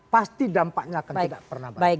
pasti dampaknya akan tidak pernah baik